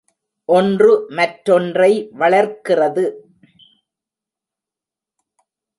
ஒன்று மற்றொன்றை வளர்க்கிறது.